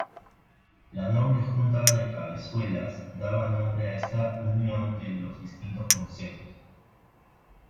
La noble Junta de Cabezuelas daba nombre a esta unión de los distintos concejos.